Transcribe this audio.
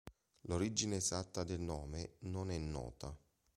L'origine esatta del nome non è nota.